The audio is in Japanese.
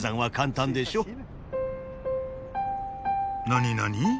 何何？